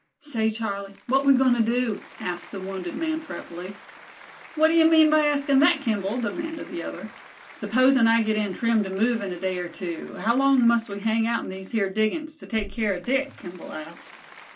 "Say, Charlie, what we goin' to do?" asked the wounded man, fretfully. "What d'ye mean by askin' thet, Kimball?" demanded the other. "Supposin' I get in trim to move in a day or two, how long must we hang out in these here diggings, to take care of Dick?" Kimball asked.